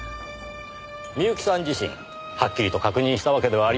深雪さん自身はっきりと確認したわけではありません。